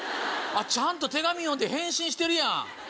ちゃんと手紙読んで返信してるやん。